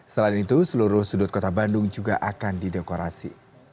selain itu seluruh sudut kota bandung juga akan didekorasi